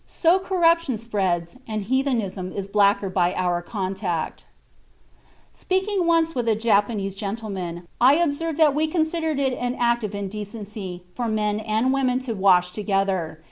So corruption spreads, and heathenism is blacker by our contact." (Private communication.) "Speaking once with a Japanese gentleman, I observed that we considered it an act of indecency for men and women to wash together.